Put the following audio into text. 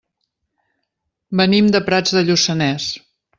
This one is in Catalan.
Venim de Prats de Lluçanès.